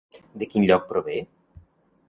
De quin lloc prové?